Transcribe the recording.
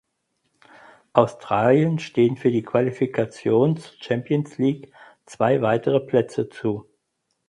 Australien stehen für die Qualifikation zur Champions League zwei weitere Plätze zu.